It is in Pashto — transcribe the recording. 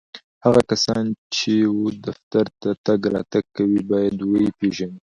هغه کسان چي و دفتر ته تګ راتګ کوي ، باید و یې پېژني